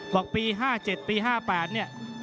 ปี๕๗ปี๕๘เนี่ย